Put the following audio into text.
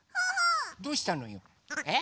どうしたのよ？え？